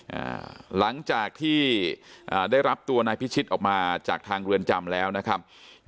อ่าหลังจากที่อ่าได้รับตัวนายพิชิตออกมาจากทางเรือนจำแล้วนะครับ